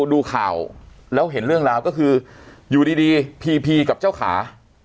ดูข่าวแล้วเห็นเรื่องราวก็คืออยู่ดีพีพีกับเจ้าขา